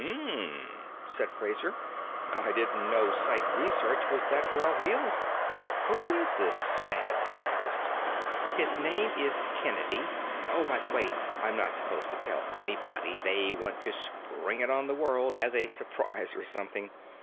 "Hm," said Fraser. "I didn't know psych research was that well heeled. Who is this mad scientist?" "His name is Kennedy. Oh, by the way, I'm not supposed to tell anybody; they want to spring it on the world as a surprise or something.